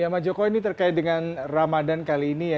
ya mas joko ini terkait dengan ramadan kali ini ya